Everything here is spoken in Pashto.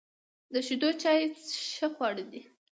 د شیدو چای ښه خواړه دي.